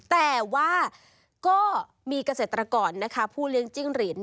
แต่ว่าก็มีเกษตรกรผู้เลี้ยงจิ้งหรีด